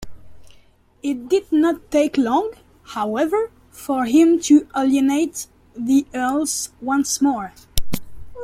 It did not take long, however, for him to alienate the earls once more.